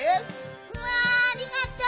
うわありがとう。